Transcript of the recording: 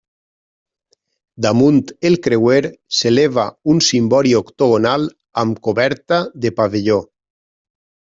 Damunt el creuer s'eleva un cimbori octogonal amb coberta de pavelló.